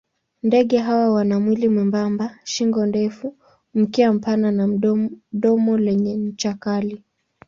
Ndege hawa wana mwili mwembamba, shingo ndefu, mkia mpana na domo lenye ncha kali.